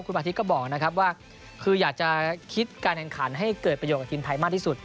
คุณอาทิตย์ก็บอกนะครับว่าคืออยากจะคิดการแข่งขันให้เกิดประโยชนกับทีมไทยมากที่สุด